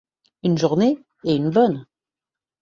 Une journée, et une bonne!